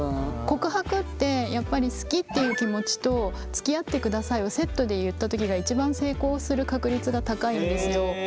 告白ってやっぱり好きっていう気持ちとつきあってくださいをセットで言った時が一番成功する確率が高いんですよ。